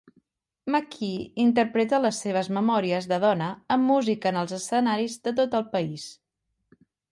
McKee interpreta les seves memòries de dona amb música en els escenaris de tot el país.